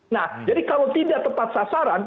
nah jadi kalau tidak tepat sasaran